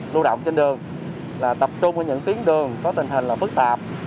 lưu động trên đường là tập trung ở những tuyến đường có tình hình là phức tạp